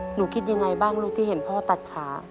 หนูคิดยังไงบ้างลูกที่เห็นพ่อตัดขา